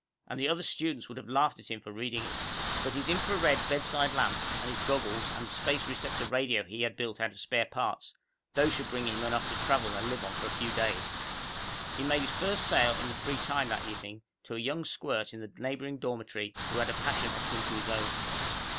And the other students would have laughed at him for reading it. But his infra red bedside lamp and his goggles and the space receptor radio he had built out of spare parts those should bring him enough to travel and live on for a few days. He made his first sale in the free time that evening, to a young squirt in the neighboring dormitory who had a passion akin to his own.